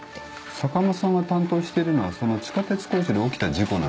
坂間さんが担当してるのはその地下鉄工事で起きた事故なんだよね。